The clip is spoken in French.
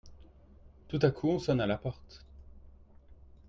Tout à coup on sonne à la porte.